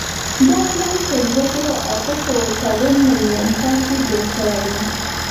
دا پلان په یوه زرو اتو سوو څلور نوېم کال کې جوړ شوی وو.